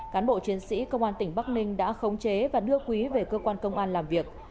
cán bộ chiến sĩ công an tỉnh bắc ninh đã khống chế và đưa quý về cơ quan công an làm việc